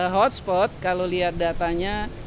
hotspot kalau lihat datanya